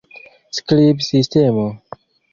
skribsistemo